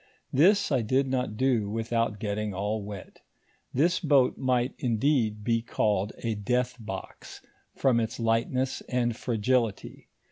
This I did not do without getting all wet. This boat might, indeed, be called a death box, from its lightness and fragility.